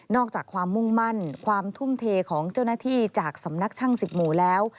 อกจากความมุ่งมั่นความทุ่มเทของเจ้าหน้าที่จากสำนักช่างสิบหมู่แล้ว